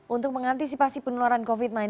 untuk mengantisipasi penularan covid sembilan belas